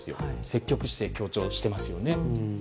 積極姿勢を強調していますよね。